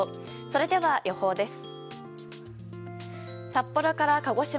それでは、予報です。